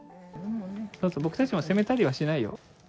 僕たちも責めたりはしないよ。